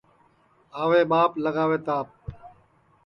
آوے ٻاپ لگاوے تاپ